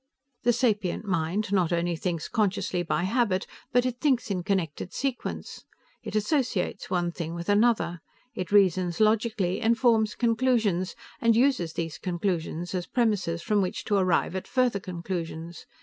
"The sapient mind not only thinks consciously by habit, but it thinks in connected sequence. It associates one thing with another. It reasons logically, and forms conclusions, and uses those conclusions as premises from which to arrive at further conclusions.